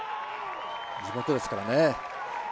地元ですからね。